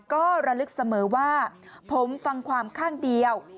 ก็ระลึกเสมอว่าผมฟังความข้างเดียว